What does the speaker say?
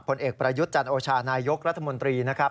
ผลเอกประยุทธ์จันโอชานายกรัฐมนตรีนะครับ